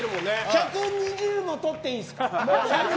１２０もとっていいですか？